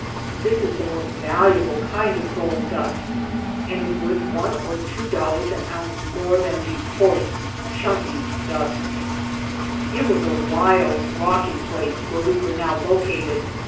This is the most valuable kind of gold dust, and is worth one or two dollars an ounce more than the coarse chunky dust. 142 THE GOLD HUNTERS It was a wild rocky place where we were now located.